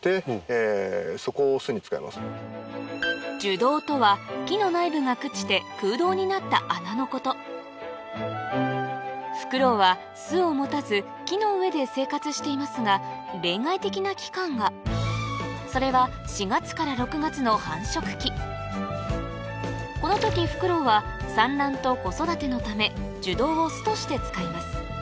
洞とは木の内部が朽ちて空洞になった穴のことフクロウは巣を持たず木の上で生活していますが例外的な期間がそれはこの時フクロウは産卵と子育てのため樹洞を巣として使います